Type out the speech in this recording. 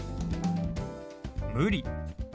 「無理」。